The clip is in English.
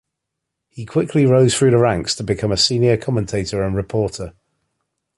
He quickly rose through the ranks to become a senior commentator and reporter.